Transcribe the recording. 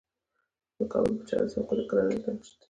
د کابل په چهار اسیاب کې د ګرانیټ نښې شته.